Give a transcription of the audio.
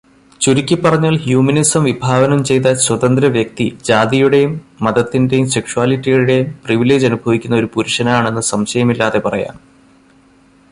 ചുരുക്കിപ്പറഞ്ഞാൽ ഹ്യൂമനിസം വിഭാവനം ചെയ്ത 'സ്വതന്ത്രവ്യക്തി' ജാതിയുടെയും മതത്തിന്റെയും സെക്ഷ്വാലിറ്റിയുടെയും പ്രിവിലേജ് അനുഭവിക്കുന്ന ഒരു പുരുഷനാണെന്ന് സംശയമില്ലാതെ പറയാം.